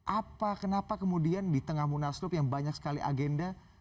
apa kenapa kemudian di tengah munaslup yang banyak sekali agenda